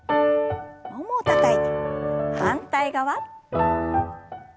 ももをたたいて反対側。